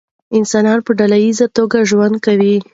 انسانان په ډله ایزه توګه ژوند کوي.